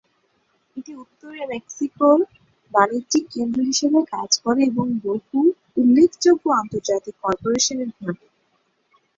এটি উত্তর মেক্সিকোর বাণিজ্যিক কেন্দ্র হিসাবে কাজ করে এবং বহু উল্লেখযোগ্য আন্তর্জাতিক কর্পোরেশনের ঘাঁটি।